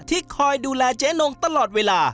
คอยดูแลเจ๊นงตลอดเวลา